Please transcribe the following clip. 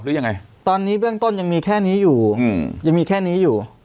หรือยังไงตอนนี้เบื้องต้นยังมีแค่นี้อยู่อืมยังมีแค่นี้อยู่